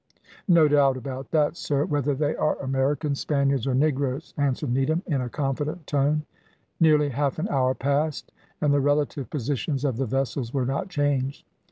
"No doubt about that, sir, whether they are Americans, Spaniards, or Negroes," answered Needham, in a confident tone. Nearly half an hour passed, and the relative positions of the vessels were not changed.